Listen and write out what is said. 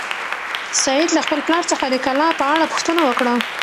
سعید له خپل پلار څخه د کلا په اړه پوښتنه وکړه.